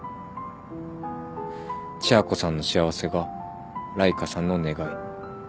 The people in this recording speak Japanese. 千夜子さんの幸せがライカさんの願い。